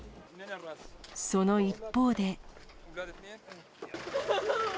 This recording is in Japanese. その一方で。